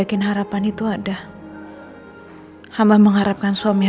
ini harusnya kita lanjut awal